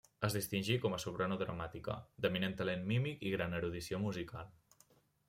Es distingí com a soprano dramàtica, d'eminent talent mímic i gran erudició musical.